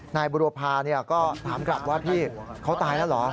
นายบุรพาก็ถามกลับว่าพี่เขาตายแล้วเหรอ